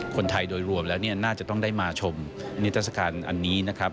คนไทยโดยรวมแล้วเนี่ยน่าจะต้องได้มาชมนิทัศกาลอันนี้นะครับ